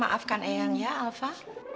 maafkan eang ya alva